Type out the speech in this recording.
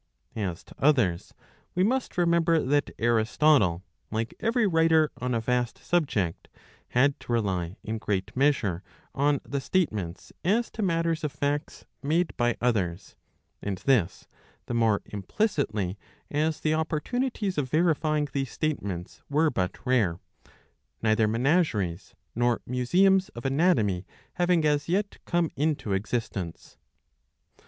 As to others, we must remember ' that Aristotle, like every writer on a vast subject, had to rely in great j / measure on the statements as to matters of facts "Iftflr ^y ^thprc and "*^ this the more implicitly as the opportunities of verifying these state ments were but rare, neither menageries nor museums of anatomy having as yet come into existence.